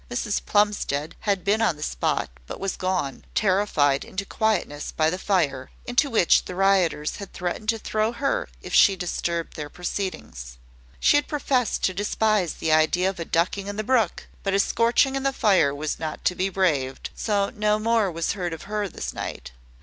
Mrs Plumstead had been on the spot, but was gone terrified into quietness by the fire, into which the rioters had threatened to throw her, if she disturbed their proceedings. She had professed to despise the idea of a ducking in the brook; but a scorching in the fire was not to be braved; so no more was heard of her this night.